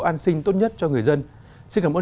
an sinh tốt nhất cho người dân xin cảm ơn